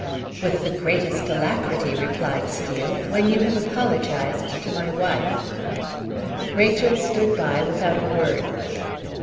"With the greatest alacrity," replied Steel, "when you have apologized to my wife." Rachel stood by without a word.